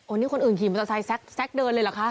นี่คนอื่นขี่มอเตอร์ไซค์แซ็กเดินเลยเหรอคะ